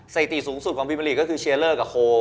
เศรษฐีสูงสุดของพี่มะรีก็คือเชียร์เลอร์กับโคล